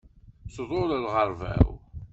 Tḍul lɣerba-w.